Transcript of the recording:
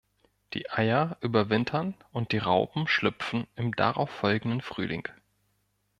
Die Eier überwintern und die Raupen schlüpfen im darauffolgenden Frühling.